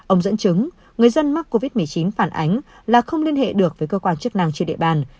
ông dẫn chứng người dân mắc covid một mươi chín phản ánh là không liên hệ được với cơ quan chức năng trên địa bàn